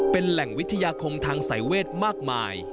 เป็นแหล่งวิทยาคมทางสายเวทมากมาย